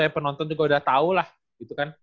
penonton juga udah tahu lah gitu kan